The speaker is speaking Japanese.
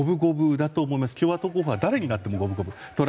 共和党候補は誰になっても五分五分だと思います。